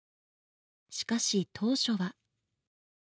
しかし当初は。